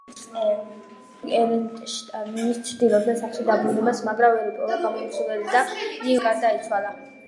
ომის შემდეგ ერენშტაინი ცდილობდა სახლში დაბრუნებას, მაგრამ ვერ იპოვა გამომცემელი და ნიუ-იორკში სიღარიბეში გარდაიცვალა.